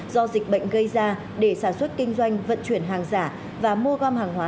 do dịch bệnh gây ra để sản xuất kinh doanh vận chuyển hàng giả và mua gom hàng hóa